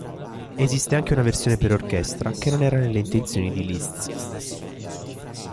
Esiste anche una versione per orchestra, che non era nelle intenzioni di Liszt.